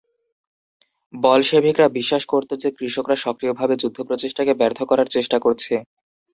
বলশেভিকরা বিশ্বাস করত যে কৃষকরা সক্রিয়ভাবে যুদ্ধ প্রচেষ্টাকে ব্যর্থ করার চেষ্টা করছে।